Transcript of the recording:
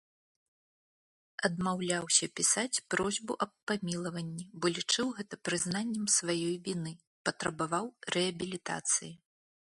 Адмаўляўся пісаць просьбу аб памілаванні, бо лічыў гэта прызнаннем сваёй віны, патрабаваў рэабілітацыі.